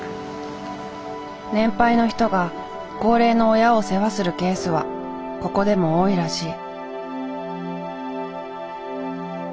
年配の人が高齢の親を世話するケースはここでも多いらしい。